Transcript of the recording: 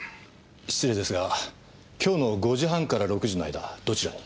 失礼ですが今日の５時半から６時の間どちらに？